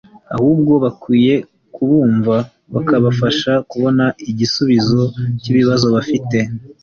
ahubwo bakwiye kubumva bakabafasha kubona igisubizo cy’ibibazo bafite